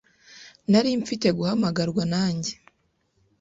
Nari mfite guhamagarwa, nanjye.